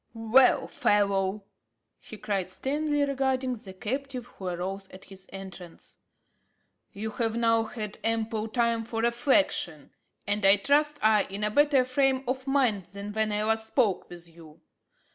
"Well, fellow," he cried, sternly regarding the captive, who arose at his entrance, "you have now had ample time for reflection, and I trust are in a better frame of mind than when I last spoke with you.